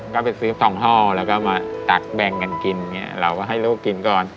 ก็ไปซื้อสองห้อแล้วก็มาตักแบ่งกันกินเนี่ยเราให้ลูกกินก่อน